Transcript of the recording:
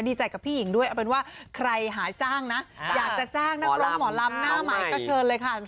ดีใจกับพี่หญิงด้วยเอาเป็นว่าใครหาจ้างนะอยากจะจ้างนักร้องหมอลำหน้าใหม่ก็เชิญเลยค่ะ